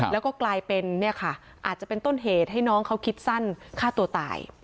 แล้วก็กลายเป็นเนี่ยค่ะอาจจะเป็นต้นเหตุให้น้องเขาคิดสั้นฆ่าตัวตาย